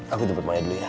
aku jemput maya dulu ya